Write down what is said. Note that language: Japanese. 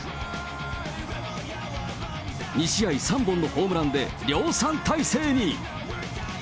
２試合３本のホームランで量産体制に。